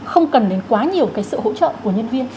không cần đến quá nhiều cái sự hỗ trợ của nhân viên